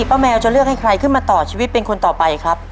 แมวจะเลือกให้ใครขึ้นมาต่อชีวิตเป็นคนต่อไปครับ